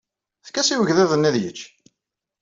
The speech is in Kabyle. Efk-as i wegḍiḍ-nni ad yečč.